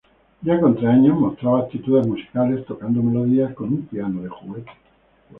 Ya con tres años mostraba aptitudes musicales, tocando melodías con un piano de juguete.